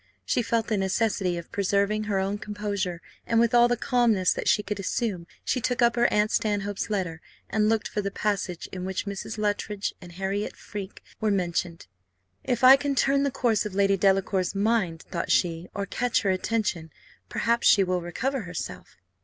She felt the necessity of preserving her own composure; and with all the calmness that she could assume, she took up her aunt Stanhope's letter, and looked for the passage in which Mrs. Luttridge and Harriot Freke were mentioned. If I can turn the course of Lady Delacour's mind, thought she, or catch her attention, perhaps she will recover herself.